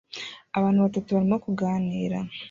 Abantu batatu barimo kuganira